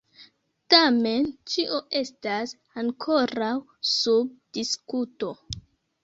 Tamen ĉio estas ankoraŭ sub diskuto.